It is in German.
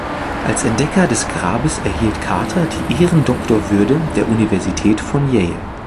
Als Entdecker des Grabes erhielt Carter die Ehrendoktorwürde der Universität von Yale.